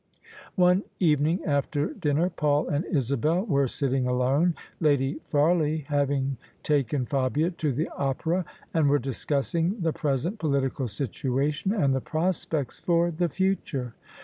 One evening after dinner Paul and Isabel were sitting alone, Lady Farley having taken Fabia to the Opera: and were discussing the present political situation and the pros pects for the future.